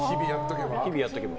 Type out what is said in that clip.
日々やっておけば。